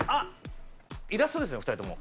イラストですねお二人とも。